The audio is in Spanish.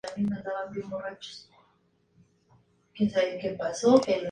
Las principales actividades económicas en el pueblo son la agricultura y el comercio.